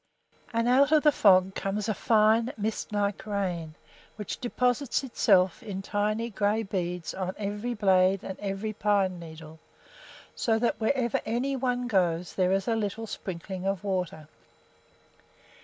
And out of the fog comes a fine, mist like rain, which deposits itself in tiny gray beads on every blade and every pine needle, so that wherever any one goes there is a little sprinkling of water.